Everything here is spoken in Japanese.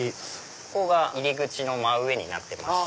ここが入り口の真上になってて。